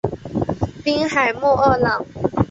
滨海莫厄朗。